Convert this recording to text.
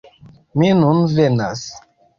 Mi nun venas!